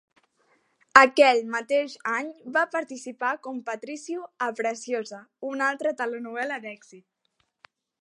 Aquell mateix any va participar com Patricio a "Preciosa", una altra telenovel·la d'èxit.